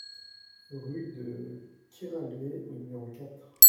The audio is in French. Rue de Keralvé au numéro quatre